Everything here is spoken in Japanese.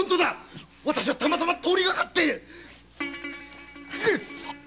たまたま通りかかって。